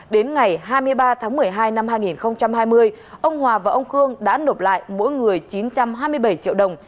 đến ngày hai mươi ba tháng một mươi hai năm hai nghìn hai mươi ông hòa và ông khương đã nộp lại mỗi người chín trăm hai mươi bảy triệu đồng